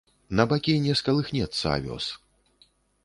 На бакі не скалыхнецца авёс.